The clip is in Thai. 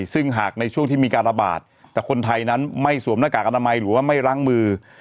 ซึ่งหากในช่วงที่มีการระบาดแต่คนไทยนั้นไม่สวมหน้ากากอนามัยหรือว่าไม่ล้างมือ